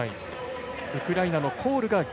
ウクライナのコールが銀。